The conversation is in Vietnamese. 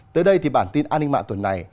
tới đây thì bản tin an ninh mạng tuần này